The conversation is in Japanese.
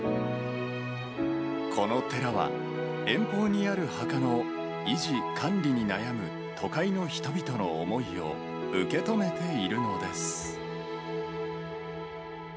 この寺は、遠方にある墓の維持・管理に悩む都会の人々の思いを受け止めているのです。